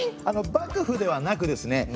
あの幕府ではなくですね